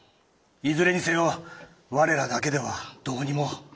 いずれにせよ我らだけではどうにも。